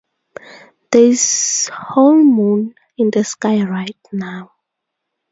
There is whole moon in the sky right now.